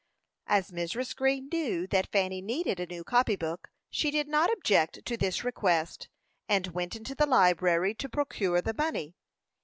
As Mrs. Green knew that Fanny needed a new copy book, she did not object to this request, and went into the library to procure the money.